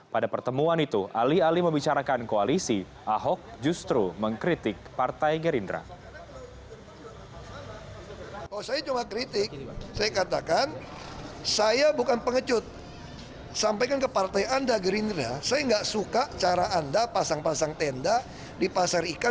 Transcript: pada pertemuan itu alih alih membicarakan koalisi ahok justru mengkritik partai gerindra